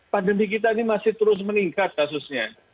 pandemi kita ini masih terus meningkat kasusnya